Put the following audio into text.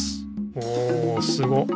おおすごっ！